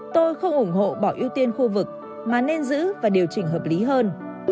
tôi không ủng hộ bỏ ưu tiên khu vực mà nên giữ và điều chỉnh hợp lý hơn